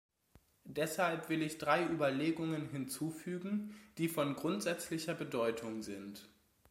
Deshalb will ich drei Überlegungen hinzufügen, die von grundsätzlicher Bedeutung sind.